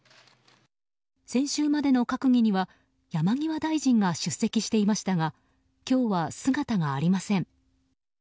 先週までの閣議には山際大臣が出席していましたが今日は姿がありません。